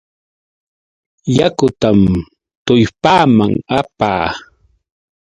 Yakutam tullpaaman apaa.